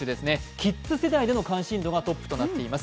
キッズ世代での関心度がトップとなっています。